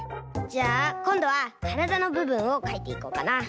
じゃあこんどはからだのぶぶんをかいていこうかな。